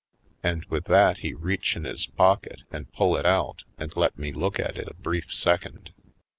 And with that he reach in his pocket and pull it out and let me look at it a brief second.